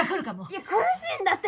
いや苦しいんだって！